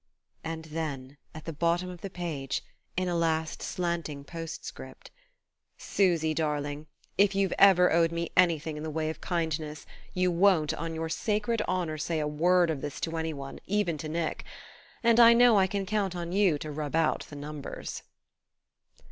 And then, at the bottom of the page, in a last slanting postscript: "Susy darling, if you've ever owed me anything in the way of kindness, you won't, on your sacred honour, say a word of this to any one, even to Nick. And I know I can count on you to rub out the numbers."